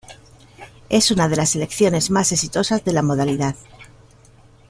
Es una de las selecciones más exitosas de la modalidad.